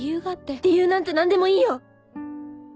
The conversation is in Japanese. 理由なんて何でもいいよ！